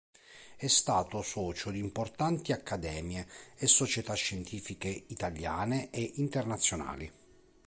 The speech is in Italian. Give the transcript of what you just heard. È stato socio di importanti accademie e società scientifiche italiane e internazionali.